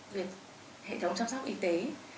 việc hệ thống chăm sóc y tế